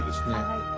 はい。